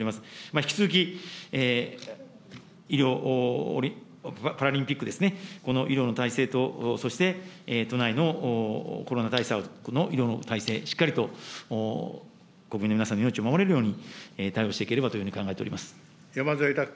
引き続き、医療、パラリンピックですね、医療の体制とそして、都内のコロナ対策の医療の体制、しっかりと国民の皆さんの命を守れるように対応していければとい山添拓君。